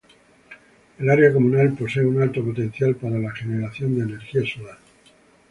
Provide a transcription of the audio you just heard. El área comunal posee un alto potencial para la generación de energía solar.